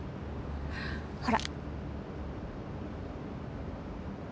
ほら。